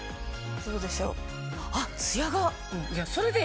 どうでしょう。